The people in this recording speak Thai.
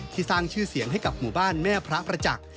สร้างชื่อเสียงให้กับหมู่บ้านแม่พระประจักษ์